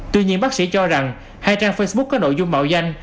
tuy nhiên bác sĩ cho rằng hai trang facebook có nội dung mạo danh